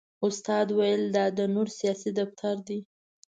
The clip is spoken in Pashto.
استاد ویل دا د نور سیاسي دفتر دی.